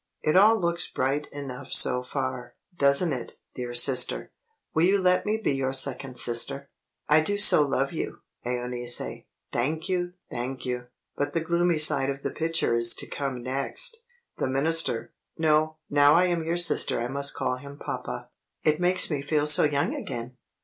"It all looks bright enough so far, doesn't it, dear sister? Will you let me be your second sister? I do so love you, Euneece. Thank you! thank you! But the gloomy side of the picture is to come next! The minister no! now I am your sister I must call him papa; it makes me feel so young again!